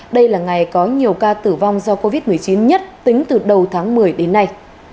đây là ngày có nhiều ca tử vong do covid một mươi chín nhất tính từ đầu tháng một mươi đến nay